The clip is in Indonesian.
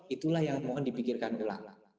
itulah yang mohon dipikirkan oleh